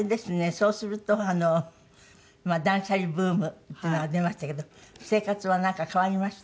そうすると断捨離ブームっていうのが出ましたけど生活はなんか変わりました？